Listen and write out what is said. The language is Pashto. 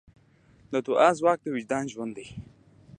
د دعا ځواک د وجدان ژوند دی.